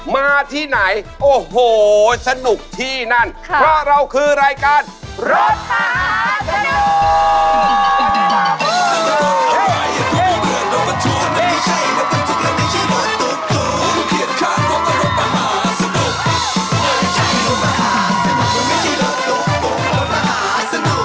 มาที่ไหนโอ้โหสนุกที่นั่นเพราะเราคือรายการร้องอาหาร